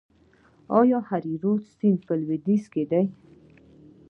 آیا هریرود سیند په لویدیځ کې دی؟